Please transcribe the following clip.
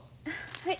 はい。